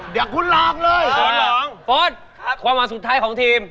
เดี๋ยวคุณลองเลยเฟิร์สความหวังสุดท้ายของทีม